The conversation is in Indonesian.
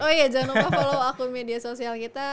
oh ya jangan lupa follow akun media sosial kita